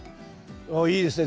おっいいですね